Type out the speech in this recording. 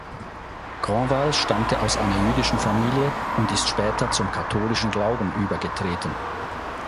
Grandval stammte aus einer jüdischen Familie und ist später ist zum katholischen Glauben übergetreten.